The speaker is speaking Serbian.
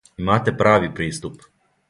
Имате прави приступ.